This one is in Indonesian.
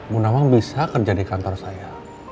bundawang bisa kerja di kantor saya